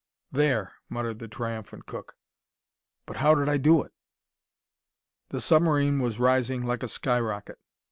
"There!" muttered the triumphant cook. "But how did I do it?" The submarine was rising like a sky rocket.